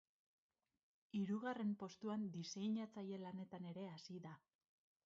Hirugarren postuan diseinatzaile lanetan ere hasi da.